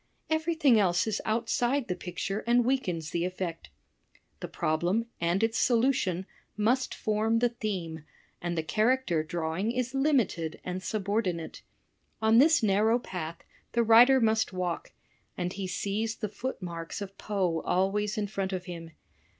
Everything else is outside the picture and weakens the effect. The problem and its solution must form the theme, and the character drawing is limited and sub ordinate. On this narrow path the writer must walk, and he sees the footmarks of Poe always in front of him.